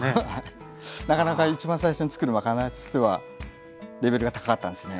なかなか一番最初につくるまかないとしてはレベルが高かったんですね。